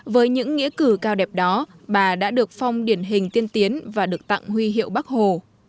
với những nghĩa cử cao đẹp đó bà đã được phong điển hình tiên tiến và được tặng huy hiệu bắc hồ